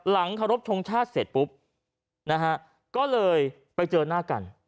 เคารพทงชาติเสร็จปุ๊บนะฮะก็เลยไปเจอหน้ากัน